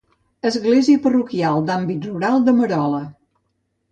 Església parroquial de l'àmbit rural de Merola.